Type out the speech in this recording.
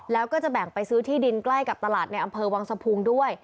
แล้วก็จะแบ่งไปซื้อที่ดินใกล้กับตลาดในอำเภอวังสะพุงด้วย